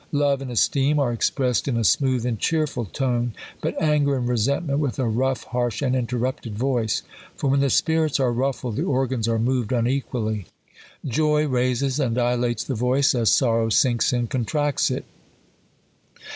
Love and esteem are expressed in a smooth and cheerful tone ; but anger and resent ment, with a rough, harsh, and interrupted voice r for when the spirits are ruffled, the organs are moved unequally. Joy raises and dilates the voice, as sor row sinks and contracts it.